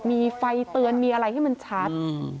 มีไฟเตือนมีอะไรให้มันชัด